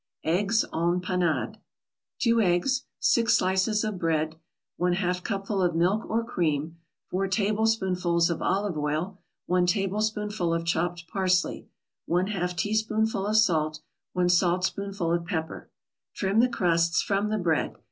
EGGS EN PANADE 2 eggs 6 slices of bread 1/2 cupful of milk or cream 4 tablespoonfuls of olive oil 1 tablespoonful of chopped parsley 1/2 teaspoonful of salt 1 saltspoonful of pepper Trim the crusts from the bread.